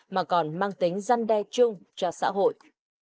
mà còn mang tính răn đe chung cho xã hội